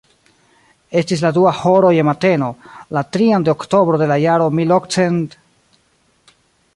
Estis la dua horo je mateno, la trian de oktobro de la jaro milokcent..